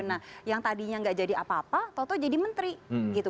nah yang tadinya nggak jadi apa apa toto jadi menteri gitu